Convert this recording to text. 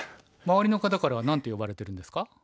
周りの方からは何て呼ばれてるんですか？